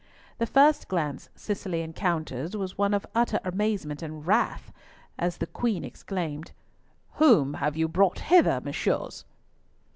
The first glance Cicely encountered was one of utter amazement and wrath, as the Queen exclaimed, "Whom have you brought hither, Messieurs?"